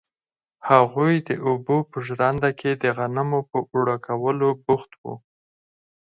هغوی د اوبو په ژرنده کې د غنمو په اوړه کولو بوخت وو.